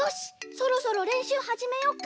そろそろれんしゅうはじめよっか！